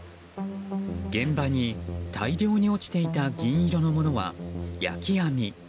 現場に大量に落ちていた銀色のものは、焼き網。